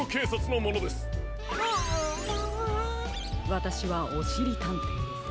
わたしはおしりたんていです。